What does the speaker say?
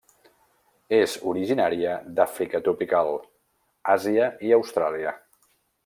És originària d'Àfrica tropical, Àsia i Austràlia.